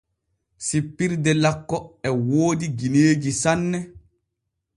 Sippirde lakko e woodi gineeji sanne.